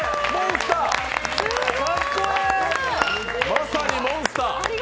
まさにモンスター！